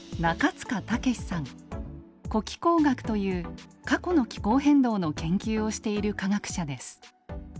「古気候学」という過去の気候変動の研究をしている科学者です。